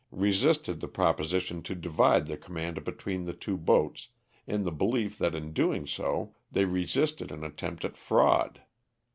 resisted the proposition to divide the command between the two boats, in the belief that in doing so they resisted an attempt at fraud.